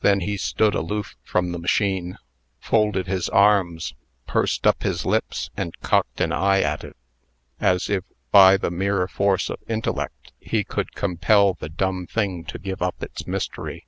Then he stood aloof from the machine, folded his arms, pursed up his lips, and cocked an eye at it, as if, by the mere force of intellect, he would compel the dumb thing to give up its mystery.